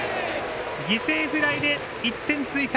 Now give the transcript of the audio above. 犠牲フライで１点追加。